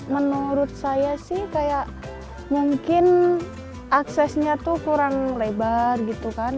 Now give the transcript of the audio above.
menurut saya sih kayak mungkin aksesnya tuh kurang lebar gitu kan